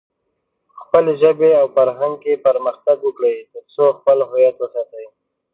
په خپلې ژبې او فرهنګ کې پرمختګ وکړئ، ترڅو خپل هويت وساتئ.